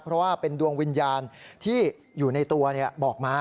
เพราะว่าเป็นดวงวิญญาณที่อยู่ในตัวบอกมา